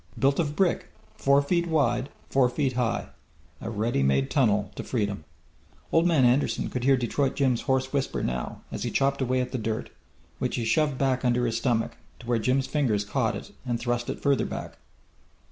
Built of brick, four feet wide, four feet high. A ready made tunnel to freedom! Old Man Anderson could hear Detroit Jim's hoarse whisper now, as he chopped away at the dirt, which he shoved back under his stomach, to where Jim's fingers caught it and thrust it farther back.